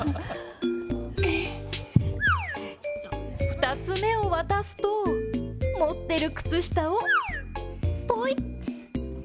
２つ目を渡すと、持ってる靴下をぽい。